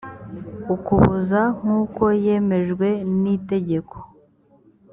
ukuboza nk uko yemejwe n itegeko